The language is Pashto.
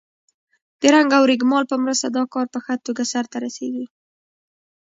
د رنګ او رېګمال په مرسته دا کار په ښه توګه سرته رسیږي.